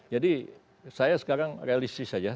jadi saya sekarang realistis saja